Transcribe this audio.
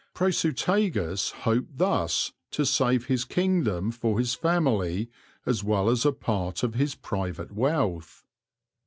Prasutagus hoped thus to save his kingdom for his family as well as a part of his private wealth.